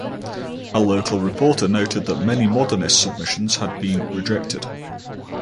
A local reporter noted that many "modernist" submissions had been rejected.